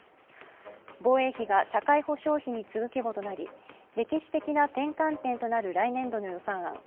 防衛費が社会保障費に次ぐ規模となり歴史的な転換点となる来年度の予算案。